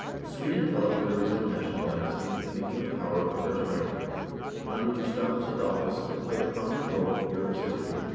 Sweden developed under its own national dynasty, and became a power of the first rank. Under Gustavus Adolphus it played a prominent role in Europe's history, and under the warrior Charles XII.